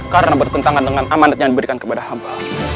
karena bertentangan dengan amanat yang diberikan kepada hamba